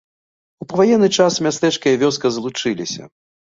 У паваенны час мястэчка і вёска злучыліся.